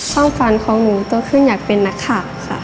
ช่องฟันของหนูต้องขึ้นอยากเป็นนักข่าวค่ะ